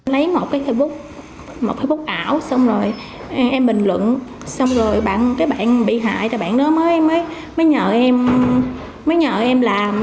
lấy một cái facebook một cái facebook ảo xong rồi em bình luận xong rồi cái bạn bị hại bạn đó mới nhờ em làm